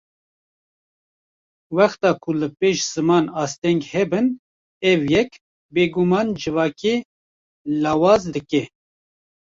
Wexta ku li pêş ziman asteng hebin ev yek, bêguman civakê lawaz dike